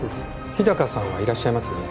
日高さんはいらっしゃいますよね